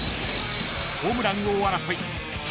［ホームラン王争い］